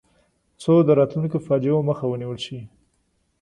څو د راتلونکو فاجعو مخه ونیول شي.